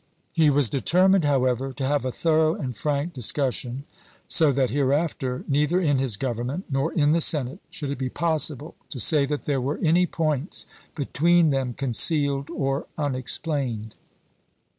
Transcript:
He was deter mined, however, to have a thorough and frank dis cussion, so that, hereafter, neither in his Govern ment nor in the Senate should it be possible to say that there were any points between them concealed or unexplained.